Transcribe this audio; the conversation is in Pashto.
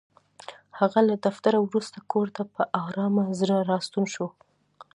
هغه له دفتره وروسته کور ته په ارامه زړه راستون شو.